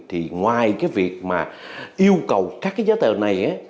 thì ngoài cái việc mà yêu cầu các cái giấy tờ này